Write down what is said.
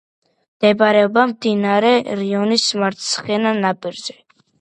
მდებარეობს მდინარე რიონის მარცხენა ნაპირზე.